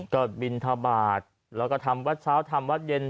ก็บินทบาทแล้วก็ทำวัดเช้าทำวัดเย็น